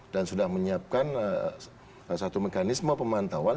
dan sudah menyiapkan satu mekanisme pemantauan